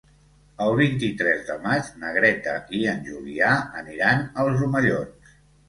El vint-i-tres de maig na Greta i en Julià aniran als Omellons.